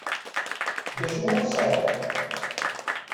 D acu ur tesɛiḍ?